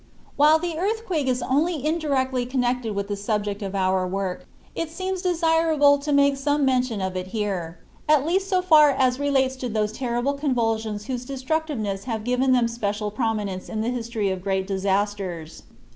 While the earthquake is only indirectly connected with the subject of our work, it seems desirable to make some mention of it here, at least so far as relates to those terrible convulsions whose destructiveness has given them special prominence in the history of great disasters.